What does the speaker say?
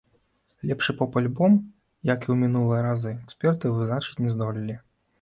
Лепшы поп-альбом, як і ў мінулыя разы, эксперты вызначыць не здолелі.